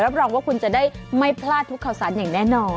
รองว่าคุณจะได้ไม่พลาดทุกข่าวสารอย่างแน่นอน